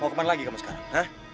mau kemana lagi kamu sekarang